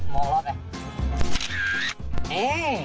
มองรอไป